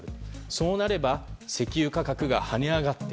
そうなれば石油価格が跳ね上がって